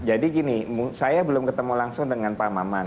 jadi gini saya belum ketemu langsung dengan pak maman